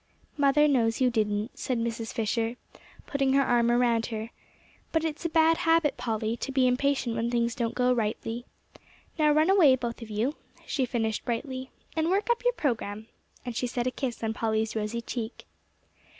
"Mother knows you didn't," said Mrs. Fisher, putting her arm around her, "but it's a bad habit, Polly, to be impatient when things don't go rightly. Now run away, both of you," she finished brightly, "and work up your program," and she set a kiss on Polly's rosy cheek.